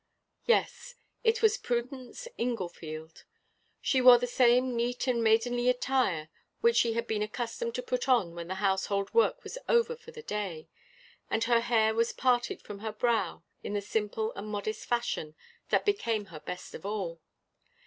Yes, it was Prudence Inglefield. She wore the same neat and maidenly attire which she had been accustomed to put on when the household work was over for the day, and her hair was parted from her brow in the simple and modest fashion that became her best of all.